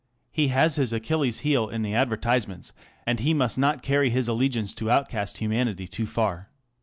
He has his Achilles 1 heel in the advertisements, and he must not carry his allegiance to outcast humanity too far.